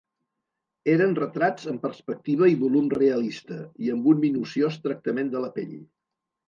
Eren retrats amb perspectiva i volum realista, i amb un minuciós tractament de la pell.